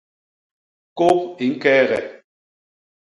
Kôp i ñkeege.